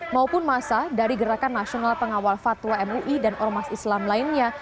maupun masa dari gerakan nasional pengawal fatwa mui dan ormas islam lainnya